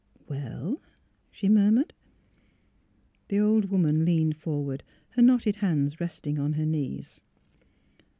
'' Well? " she murmured. The old woman leaned forward, her knotted hands resting on her knees.